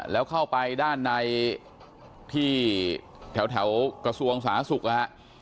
แล้วเข้าไปด้านในที่แถวกระทรวงสาธารณสุขนะฮะ